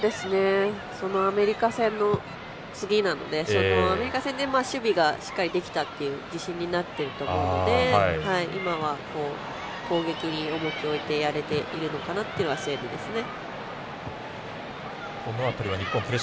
そのアメリカ戦の次なのでそのアメリカ戦でしっかり守備ができたって自信になってると思うので今は、攻撃を重きを置いてやれているというスウェーデンですね。